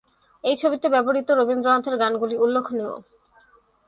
এই ছবিতে ব্যবহৃত রবীন্দ্রনাথের গানগুলি উল্লেখনীয়।